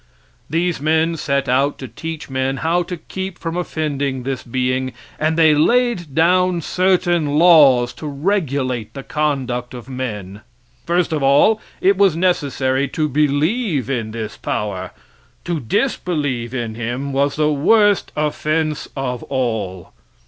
These men set out to teach men how to keep from offending this being, and they laid down certain laws to regulate the conduct of men. First of all it was necessary to believe in this power. To disbelieve in him was the worst offense of all.